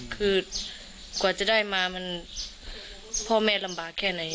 คือกว่าจะได้มามันพ่อแม่ลำบากแค่ไหน